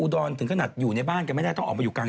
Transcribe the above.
ตอนเช้าใช่ใช่เพราะอย่างนี้อยู่แล้ว